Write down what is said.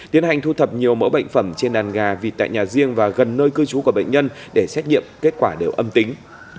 tiến hành thu thập nhiều mẫu bệnh phẩm trên đàn gà vịt tại nhà riêng và gần nơi cư trú của bệnh nhân để xét nghiệm kết quả đều âm tính